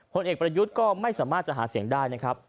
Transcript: ผลเอกประยุทธ์ก็ไม่สามารถจะหาเสียงได้นะครับ